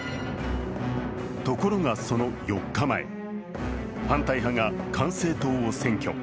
ところが、その４日前、反対派が管制塔を占拠。